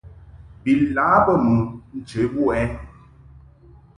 Bi lâ bə mɨ nche wuʼ ɛ ?